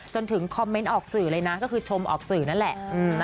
จนถึงคอมเมนต์ออกสื่อเลยนะก็คือชมออกสื่อนั่นแหละ